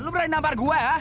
lo berani nampak gue ha